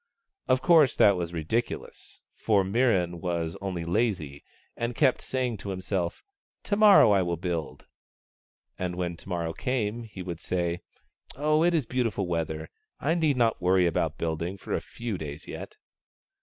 Of course, that was ridiculous, for Mirran was only lazy, and kept say ing to himself, " To morrow I will build "; and when to morrow came, he would say, "Oh, it is beautiful weather ; I need not worry about building for a few days yet."